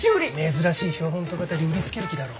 珍しい標本とかたり売りつける気だろう？